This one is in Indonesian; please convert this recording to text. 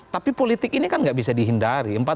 tapi politik ini kan nggak bisa dihindari